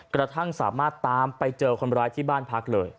กระทั่งสามารถตามไปเจอคนร้ายที่บ้านพักเลย